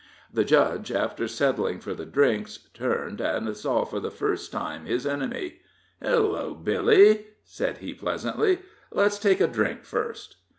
The Judge, after settling for the drinks, turned, and saw for the first time his enemy. "Hello, Billy!" said he, pleasantly; "let's take a drink first."